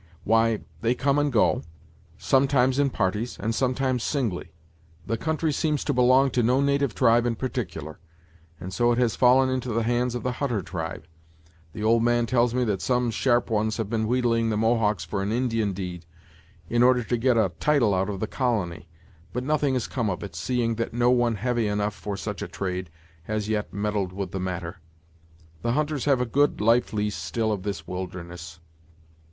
"Why, they come and go; sometimes in parties, and sometimes singly. The country seems to belong to no native tribe in particular; and so it has fallen into the hands of the Hutter tribe. The old man tells me that some sharp ones have been wheedling the Mohawks for an Indian deed, in order to get a title out of the colony; but nothing has come of it, seeing that no one heavy enough for such a trade has yet meddled with the matter. The hunters have a good life lease still of this wilderness."